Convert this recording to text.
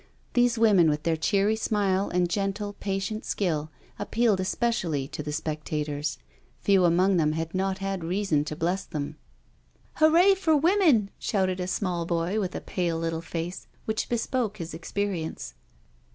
These women, with their cheery smile and gentle, patient skill, appealed specially to the spectators; few among them had not had reason to bless them. '* Hooray for the Women," shouted a small boy with a pale little face which bespoke his experience.